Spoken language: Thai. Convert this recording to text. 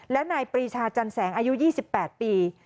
และนายปรีชาจันแสงอายุ๒๘ปี